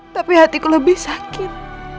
tapi hatiku lebih sakit